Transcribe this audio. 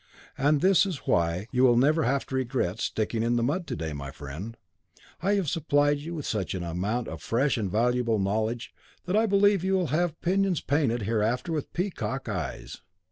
And this is why you will never have to regret sticking in the mud to day, my friend. I have supplied you with such an amount of fresh and valuable knowledge, that I believe you will have pinions painted hereafter with peacock's eyes."